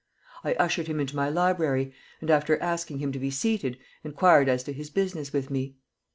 I ushered him into my library, and, after asking him to be seated, inquired as to his business with me.